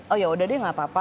oh yaudah deh gak apa apa